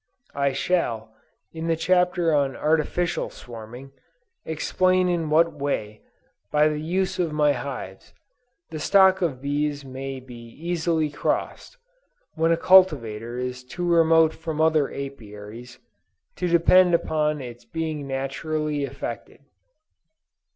I shall, in the chapter on Artificial Swarming, explain in what way, by the use of my hives, the stock of bees may be easily crossed, when a cultivator is too remote from other Apiaries, to depend upon its being naturally effected.